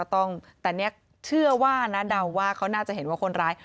ต้องแต่เนี่ยเชื่อว่านะเดาว่าเขาน่าจะเห็นว่าคนร้าย